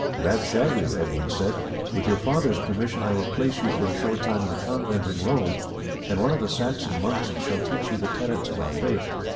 "That shall you," Edmund said. "With your father's permission I will place you for a short time in a convent in Rome, and one of the Saxon monks shall teach you the tenets of our faith.